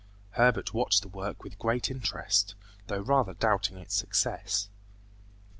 Herbert watched the work with great interest, though rather doubting its success.